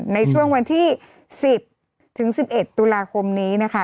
ในช่วงวันที่๑๐ถึง๑๑ตุลาคมนี้นะคะ